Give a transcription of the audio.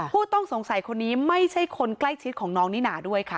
ผู้ต้องสงสัยคนนี้ไม่ใช่คนใกล้ชิดของน้องนิน่าด้วยค่ะ